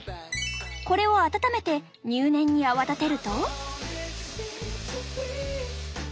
これを温めて入念に泡立てると。